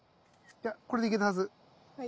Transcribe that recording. いやこれでいけたはず。